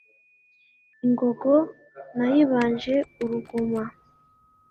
ingogo nayibanje uruguma